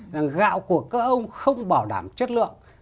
rằng gạo của các ông không bảo đảm chất lượng